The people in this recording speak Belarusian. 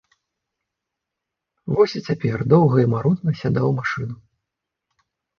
Вось і цяпер доўга і марудна сядаў у машыну.